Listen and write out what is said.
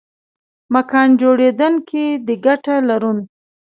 مکان جوړېدنک دې ګټه لورن